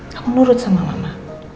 kamu nurut sama mama